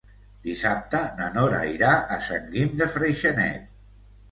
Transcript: Dissabte na Nora irà a Sant Guim de Freixenet.